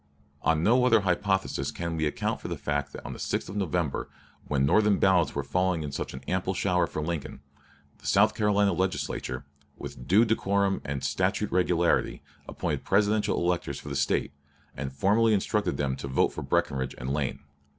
On no other hypothesis can we account for the fact that on the 6th of November, when Northern ballots were falling in such an ample shower for Lincoln, the South Carolina Legislature, with due decorum and statute regularity, appointed Presidential electors for the State, and formally instructed them to vote for Breckinridge and Lane.